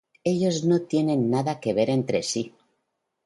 Ellos no tienen nada que ver entre sí.